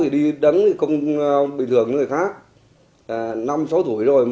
mình bảo ôm cháu thôi